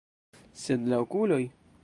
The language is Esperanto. Sed la okuloj!